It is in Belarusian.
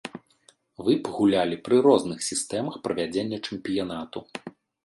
Вы пагулялі пры розных сістэмах правядзення чэмпіянату.